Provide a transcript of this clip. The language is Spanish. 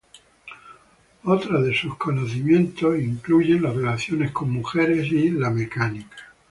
Otras de sus conocimientos incluyen las relaciones con mujeres y la mecánica.